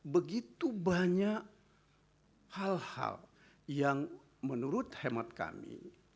begitu banyak hal hal yang menurut hemat kami